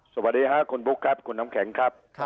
สวัสดีค่ะคุณบุ๊คครับคุณน้ำแข็งครับ